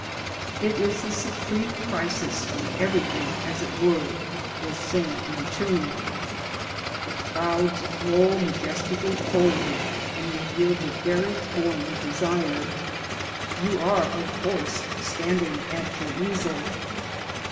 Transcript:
It is the supreme crisis when everything, as it were, will sing in tune. The clouds roll majestically forward and reveal the very form you desire You are, of course, standing at your easel.